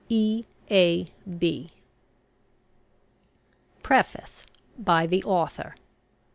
E. A. B. PREFACE BY THE AUTHOR.